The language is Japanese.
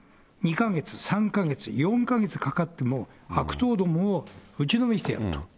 ２か月、３か月、４か月かかっても、悪党どもを打ちのめしてやると。